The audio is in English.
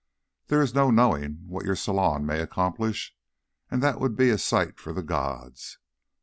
There is no knowing what your salon may accomplish, and that would be a sight for the gods.